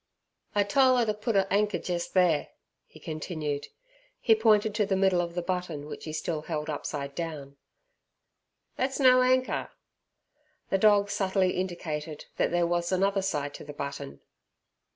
"I tole 'er ter put a anker jes' there," he continued. He pointed to the middle of the button which he still held upside down. "Thet's no anker!" The dog subtly indicated that there was another side to the button.